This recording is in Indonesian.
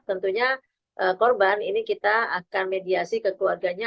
tentunya korban ini kita akan mediasi ke keluarganya